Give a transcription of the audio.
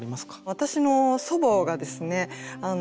私の祖母がですね